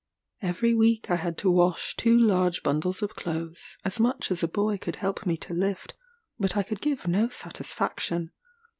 Every week I had to wash two large bundles of clothes, as much as a boy could help me to lift; but I could give no satisfaction.